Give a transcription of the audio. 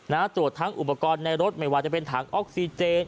ตรวจทั้งอุปกรณ์ในรถไม่ว่าจะเป็นถังออกซิเจน